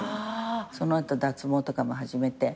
その後脱毛とかも始めて。